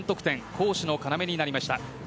攻守の要になりました。